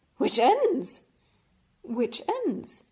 'Which ends?' 'Which ends?'